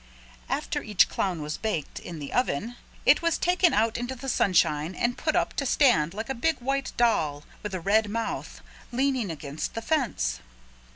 After each clown was baked in the oven it was taken out into the sunshine and put up to stand like a big white doll with a red mouth leaning against the fence.